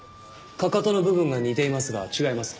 かかとの部分が似ていますが違います。